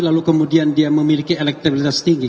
lalu kemudian dia memiliki elektabilitas tinggi